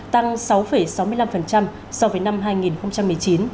tăng sáu sáu mươi năm so với năm hai nghìn một mươi chín